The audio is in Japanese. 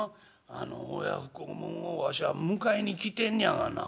あの親不孝もんをわしは迎えに来てんねやがな」。